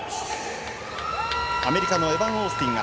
アメリカのエバン・オースティン。